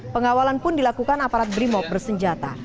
pengawalan pun dilakukan aparat brimob bersenjata